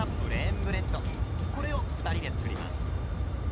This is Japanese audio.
これを２人で作ります。